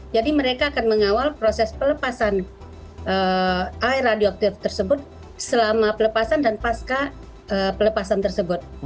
jadi mereka akan mengawal proses pelepasan air radioaktif tersebut selama pelepasan dan pasca pelepasan tersebut